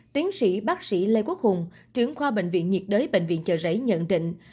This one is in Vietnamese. tiến sĩ bác sĩ lê quốc hùng trưởng khoa bệnh viện nhiệt đới bệnh viện chợ rẫy nhận định